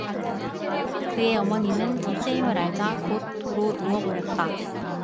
그의 어머니는 첫째 임을 알자 곧 도로 누워 버렸다.